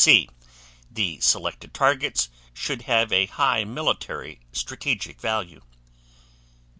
C. The selected targets should have a high military strategic value.